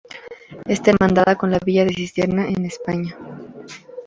Está hermanada con la villa de Cistierna en España.